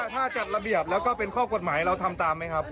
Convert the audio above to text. ถ้าจัดระเบียบแล้วก็เป็นข้อกฎหมายเราทำตามไหมครับ